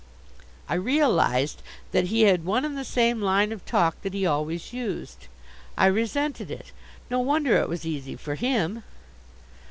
I realized that he had one and the same line of talk that he always used. I resented it. No wonder it was easy for him.